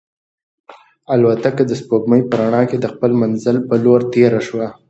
الوتکه د سپوږمۍ په رڼا کې د خپل منزل په لور تېره شوه.